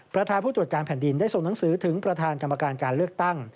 ประธานผู้ตรวจการแผ่นดินได้ส่งหนังสือถึงประธานกรรมการการเลือกตั้ง